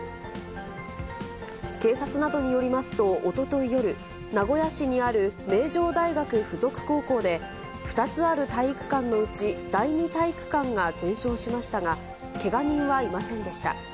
警察などによりますと、おととい夜、名古屋市にある名城大学付属高校で２つある体育館のうち、第２体育館が全焼しましたが、けが人はいませんでした。